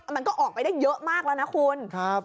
มันก็ออกไปได้เยอะมากแล้วนะคุณ